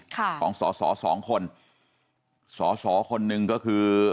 ของสอสอสองคนสอสอคนหนึ่งก็คือ